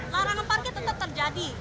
larangan parkir tetap terjadi